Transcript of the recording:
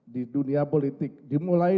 di dunia politik dimulai